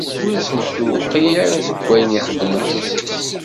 Ur asen-d-tewqiɛ seg wayen ixdem ufus-is.